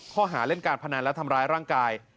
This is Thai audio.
ข้อหาเล่นการพนันและทำร้ายร่างกาย